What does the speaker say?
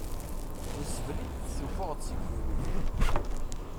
D zzbel i d-tessuffuɣeḍ seg yimi-k.